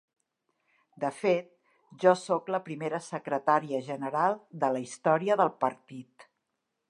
De fet, jo sóc la primera secretària general de la història del partit.